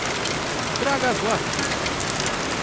Traga as lápides